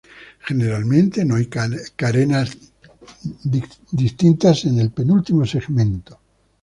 Generalmente no hay carenas distintas en el penúltimo segmento.